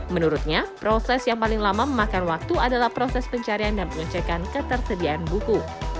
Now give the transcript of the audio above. menurutnya proses yang paling lama memakan waktu adalah proses pencarian dan pengecekan ketersediaan buku